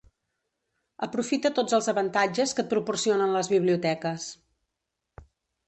Aprofita tots els avantatges que et proporcionen les biblioteques.